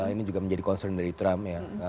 ini juga menjadi concern dari trump ya